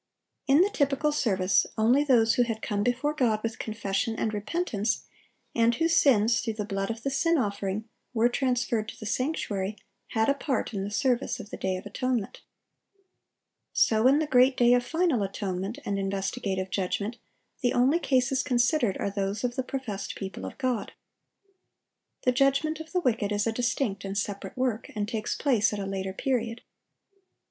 In the typical service, only those who had come before God with confession and repentance, and whose sins, through the blood of the sin offering, were transferred to the sanctuary, had a part in the service of the day of atonement. So in the great day of final atonement and investigative judgment, the only cases considered are those of the professed people of God. The judgment of the wicked is a distinct and separate work, and takes place at a later period.